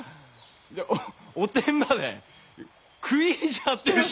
おてんばで食い意地張ってるし。